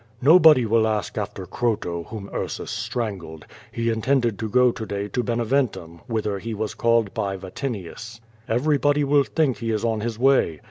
"Nobody will ask after Croto, whom Ursus strangled. He intended to go to day to Beneventum, whither he was called by Vatinius. Everybody will think he is on his way.